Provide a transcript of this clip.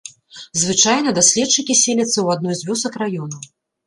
Звычайна даследчыкі селяцца ў адной з вёсак раёна.